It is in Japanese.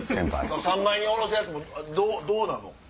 三枚におろすやつもどうなの？